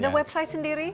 ada website sendiri